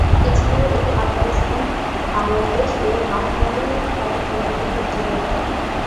এছাড়াও এটি আফগানিস্তান, বাংলাদেশ এবং বাহরাইন-এ তাদের কার্যক্রম পরিচালনা করে।